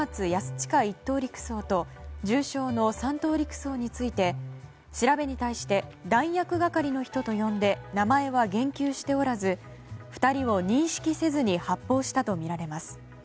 親１等陸曹と重傷の３等陸曹について調べに対して弾薬係の人と呼んで名前は言及しておらず２人を認識せずに発砲したとみられます。